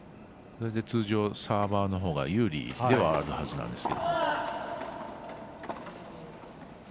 通常サーバーのほうが有利ではあるはずなんですが。